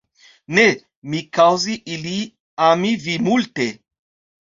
Ne, mi kaŭzi ili ami vi multe.